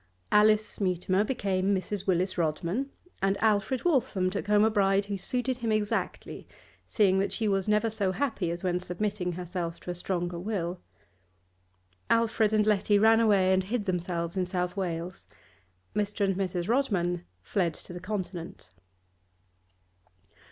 Alice Mutimer became Mrs. Willis Rodman, and Alfred Waltham took home a bride who suited him exactly, seeing that she was never so happy as when submitting herself to a stronger will. Alfred and Letty ran away and hid themselves in South Wales. Mr. and Mrs. Rodman fled to the Continent.